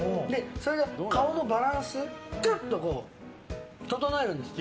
それが顔のバランスぐっと整えるんですね。